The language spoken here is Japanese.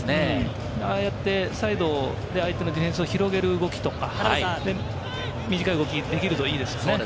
ああやってサイドで相手のディフェンスを広げる動きとか、短い動きができるといいですね。